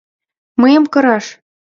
— Мыйым кыраш?!